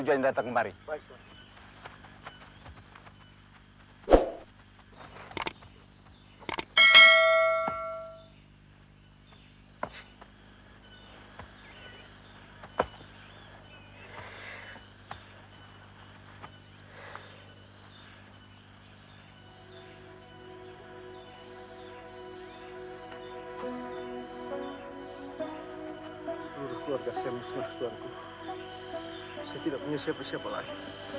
saya tidak punya siapa siapa lagi